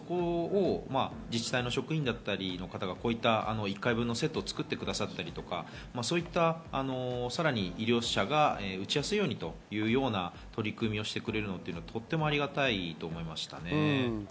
そこを自治体の職員だったりが１回分のセットを作ってくださったり、さらに医療者が打ちやすいようにという取り組みをしてくれるのはとてもありがたいと思いました。